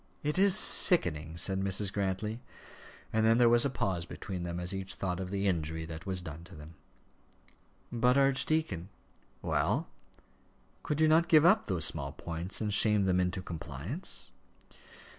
"It is sickening," said Mrs. Grantly. And then there was a pause between them as each thought of the injury that was done to them. "But, archdeacon " "Well?" "Could you not give up those small points and shame them into compliance?"